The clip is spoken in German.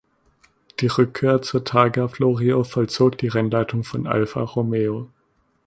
Die Rückkehr zur Targa Florio vollzog die Rennleitung von Alfa Romeo.